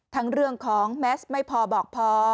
เรื่องของแมสไม่พอบอกพอ